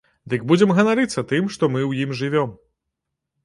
Дык будзем ганарыцца тым, што мы ў ім жывём!